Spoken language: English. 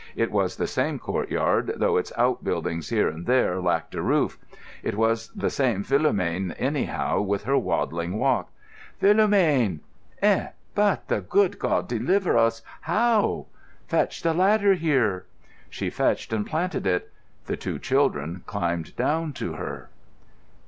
It was the same courtyard, though its outbuildings here and there lacked a roof. It was the same Philomène anyhow, with her waddling walk. "Philomène!" "Eh? But, the good God deliver us, how?" "Fetch the ladder here." She fetched and planted it. The two children climbed down to her.